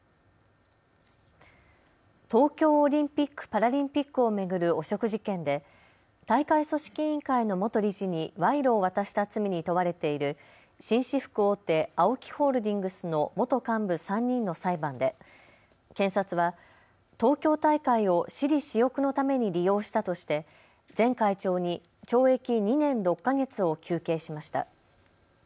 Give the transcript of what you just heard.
東京オリンピック・パラリンピックを巡る汚職事件で大会組織委員会の元理事に賄賂を渡した罪に問われている紳士服大手、ＡＯＫＩホールディングスの元幹部３人の裁判で検察は東京大会を私利私欲のために利用したとして前会長に懲役２年６か月を求刑しました。